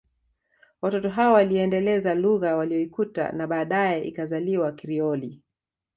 Watoto hao waliiendeleza lugha waliyoikuta na baadaye ikazaliwa Krioli